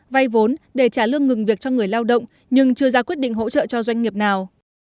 vay vốn để trả lương ngừng việc cho người lao động nhưng chưa ra quyết định hỗ trợ cho doanh nghiệp nào